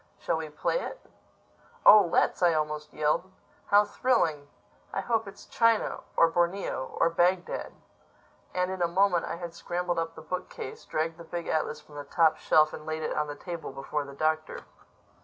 Shall we play it?" "Oh, let's!" I almost yelled. "How thrilling! I hope it's China—or Borneo—or Bagdad." And in a moment I had scrambled up the bookcase, dragged the big atlas from the top shelf and laid it on the table before the Doctor.